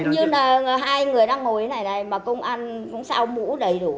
như hai người đang ngồi ở đây mà công an cũng sao mũ đầy đủ